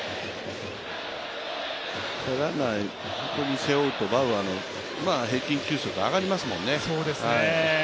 ランナーを背負うとバウアーの平均球速が上がりますもんね。